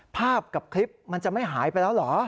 ภาพกับคลิปมันจะไม่หายไปแล้วเหรอ